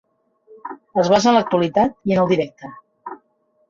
Es basa en l'actualitat i en el directe.